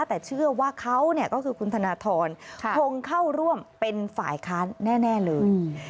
แต่เชื่อว่าเขาก็คือคุณธนทรคงเข้าร่วมเป็นฝ่ายค้านแน่เลย